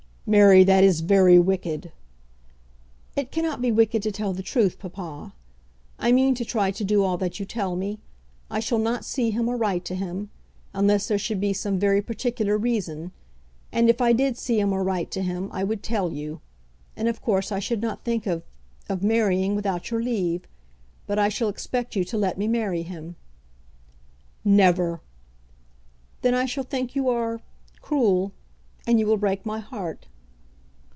"Mary, that is very wicked." "It cannot be wicked to tell the truth, papa. I mean to try to do all that you tell me. I shall not see him, or write to him, unless there should be some very particular reason. And if I did see him or write to him I would tell you. And of course I should not think of of marrying without your leave. But I shall expect you to let me marry him." "Never!" "Then I shall think you are cruel; and you will break my heart."